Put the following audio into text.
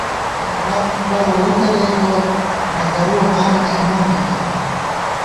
محراب منبَرہ ووئی تَلَئیگہ، نہ درُوَہ قامَنہ اېمام ژمېت